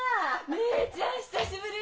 姉ちゃん久しぶり！